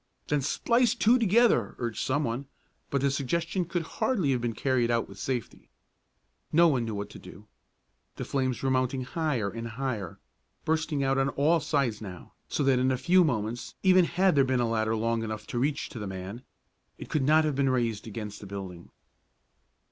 "Then splice two together!" urged some one, but the suggestion could hardly have been carried out with safety. No one knew what to do. The flames were mounting higher and higher, bursting out on all sides now, so that in a few moments, even had there been a ladder long enough to reach to the man, it could not have been raised against the building.